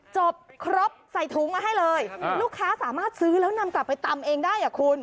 ครบใส่ถุงมาให้เลยลูกค้าสามารถซื้อแล้วนำกลับไปตำเองได้อ่ะคุณ